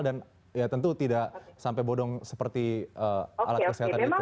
dan ya tentu tidak sampai bodoh seperti alat kesehatan itu